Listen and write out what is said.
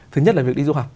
thứ nhất là việc đi du học